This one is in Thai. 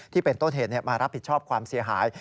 ที่เป็นต้นเหตุมารับผิดชอบความเสียหาย